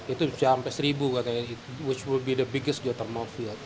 itu sampai seribu